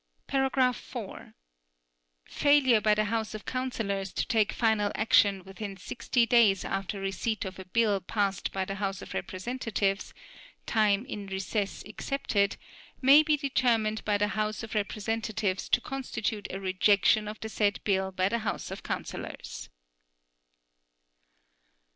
(4) Failure by the House of Councillors to take final action within sixty (60) days after receipt of a bill passed by the House of Representatives, time in recess excepted, may be determined by the House of Representatives to constitute a rejection of the said bill by the House of Councillors.